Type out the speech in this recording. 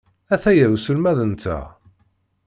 Ataya uselmad-nteɣ.